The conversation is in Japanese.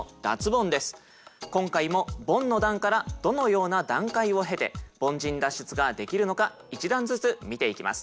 今回もボンの段からどのような段階を経て凡人脱出ができるのか一段ずつ見ていきます。